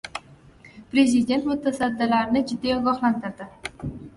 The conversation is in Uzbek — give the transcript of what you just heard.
Prezident mutasaddilarni jiddiy ogohlantirdi